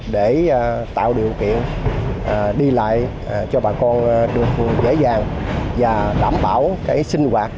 để tạo điều kiện đi lại cho bà con được dễ dàng và đảm bảo sinh hoạt